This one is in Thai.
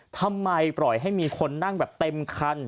ทำไมปล่อยให้มีคนนั่งแบบเต็มคัน